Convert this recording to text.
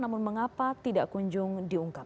namun mengapa tidak kunjung diungkap